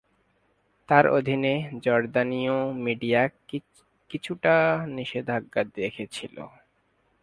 তার অধীনে, জর্দানীয় মিডিয়া কিছুটা নিষেধাজ্ঞা দেখেছিল।